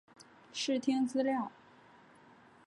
视听资料